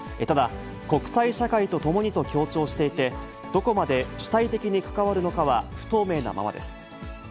ただ国際社会とともにと強調していて、どこまで主体的に関わるのかは、不透明なままです。